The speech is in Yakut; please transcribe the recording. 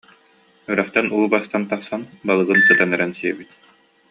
Үрэхтэн уу бастан тахсан, балыгын сытан эрэн сиэбит